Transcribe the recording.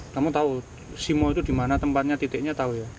kamu tahu simo itu di mana tempatnya titiknya tahu ya